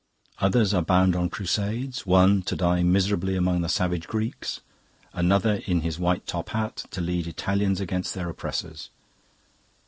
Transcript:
Others are bound on crusades one to die miserably among the savage Greeks, another, in his white top hat, to lead Italians against their oppressors.